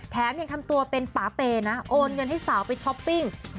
แถมยังทำตัวเป็นป่าเปนะโอนเงินให้สาวไปช้อปปิ้ง